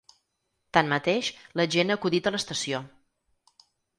Tanmateix, la gent ha acudit a l’estació.